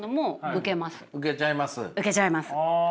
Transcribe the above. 受けちゃいます。